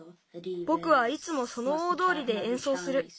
ぼくはいつもその大どおりでえんそうする。